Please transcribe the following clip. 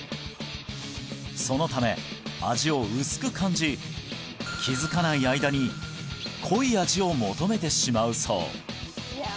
そのため味を薄く感じ気づかない間に濃い味を求めてしまうそう